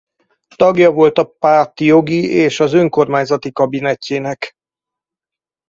Tagja volt a párt Jogi és az Önkormányzati Kabinetjének.